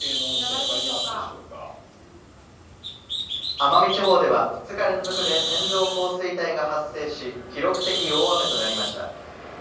奄美地方では２日連続で線状降水帯が発生し、記録的大雨となりました。